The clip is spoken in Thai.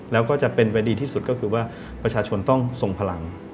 แล้วก็จะเป็นไปดีที่สุดก็คือว่าประชาชนต้องทรงพลัง